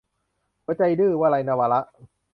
หัวใจดื้อ - วลัย นวาระ